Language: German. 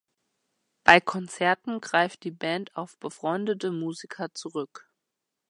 Bei Konzerten greift die Band auf befreundete Musiker zurück.